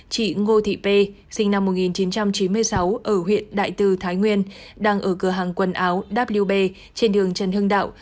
chị ngô thị pê sinh năm một nghìn chín trăm chín mươi sáu ở huyện đại từ thái nguyên đang ở cửa hàng quần áo wb trên đường trần hưng đạo